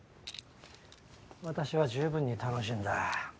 私は十分に楽しんだ。